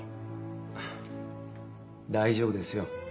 あっ大丈夫ですよ。